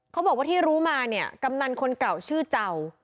เขาบอกว่าที่รู้มาเนี่ยกำนันคนเก่าชื่อเจ้า